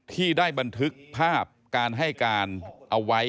ที่ได้บันทึกภาพการให้การเอาไว้